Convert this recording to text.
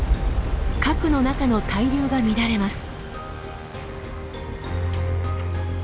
核の中の対流が乱れます。